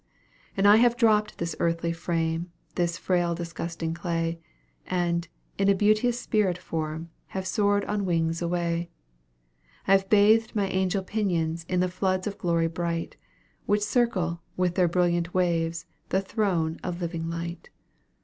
And I have dropped this earthly frame, this frail disgusting clay, And, in a beauteous spirit form, have soared on wings away; I have bathed my angel pinions in the floods of glory bright, Which circle, with their brilliant waves, the throne of living light.